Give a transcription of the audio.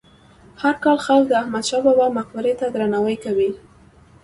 هر کال خلک د احمد شاه بابا مقبرې ته درناوی کوي.